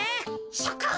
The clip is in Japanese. しょくん！